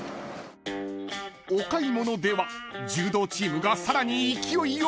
［お買い物では柔道チームがさらに勢いを増す］